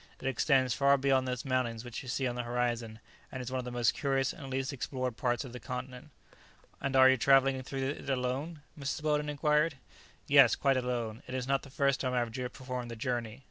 It extends far beyond those mountains which you see on the horizon, and is one of the most curious and least explored parts of the continent." "And are you travelling through it alone?" Mrs. Weldon inquired. "Yes, quite alone; and it is not the first time I have performed the journey.